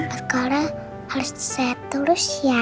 sekolah harus sehat terus ya